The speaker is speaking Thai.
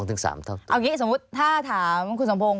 เอาอย่างนี้สมมุติถ้าถามคุณสมพงศ